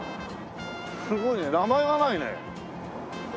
すごいね名前がないね。